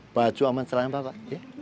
baju aman selain bapak ya